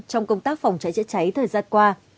trong công tác phòng cháy chữa cháy thời gian qua